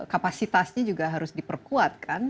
kapasitasnya juga harus diperkuatkan